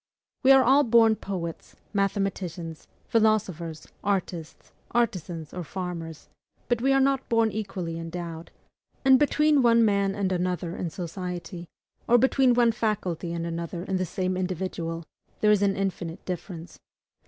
We are all born poets, mathematicians, philosophers, artists, artisans, or farmers, but we are not born equally endowed; and between one man and another in society, or between one faculty and another in the same individual, there is an infinite difference.